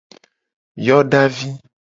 Yodavi.